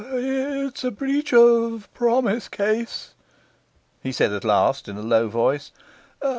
'It's a breach of promise case,' he said at last, in a low voice.